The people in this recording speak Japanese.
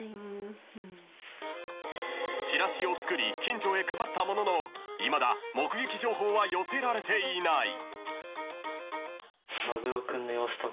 ［チラシを作り近所へ配ったもののいまだ目撃情報は寄せられていない］